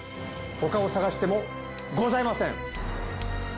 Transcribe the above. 他を探してもございません！